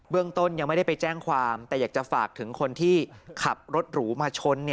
เรื่องต้นยังไม่ได้ไปแจ้งความแต่อยากจะฝากถึงคนที่ขับรถหรูมาชน